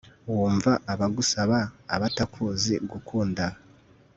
wumva abagusaba; abatakuzi gukunda